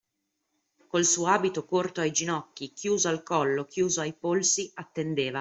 Col suo abito corto ai ginocchi, chiuso al collo, chiuso ai polsi, attendeva.